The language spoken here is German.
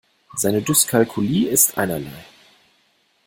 Seine Dyskalkulie ist einerlei.